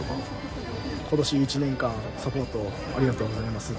今年１年間サポートありがとうございます。